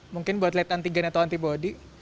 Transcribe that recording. mungkin buat lihat antigen atau antibody